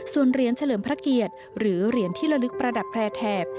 ส่วนเหรียญเฉลิมพระเกียรติหรือเหรียญที่ละลึกประดับแพร่แถบ